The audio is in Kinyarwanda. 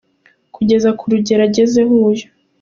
Kugeza Ku rugero agezeho uyu.